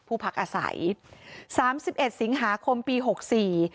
พักอาศัยสามสิบเอ็ดสิงหาคมปีหกสี่